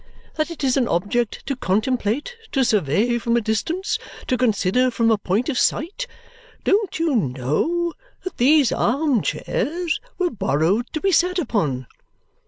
That it is an object to contemplate, to survey from a distance, to consider from a point of sight? Don't you KNOW that these arm chairs were borrowed to be sat upon?'